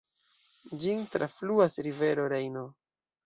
Ĝin trafluas rivero Rejno.